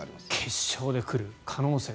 決勝で来る可能性。